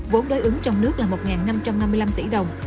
vốn đối ứng trong nước là một năm trăm năm mươi năm tỷ đồng